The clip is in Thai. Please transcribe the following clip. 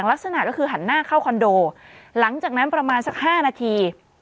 ลักษณะก็คือหันหน้าเข้าคอนโดหลังจากนั้นประมาณสัก๕นาที